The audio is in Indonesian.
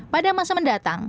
pada masa mendatang